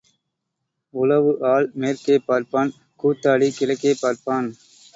உழவு ஆள் மேற்கே பார்ப்பான் கூத்தாடி கிழக்கே பார்ப்பான்.